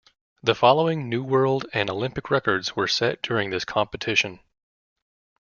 The following new world and Olympic records were set during this competition.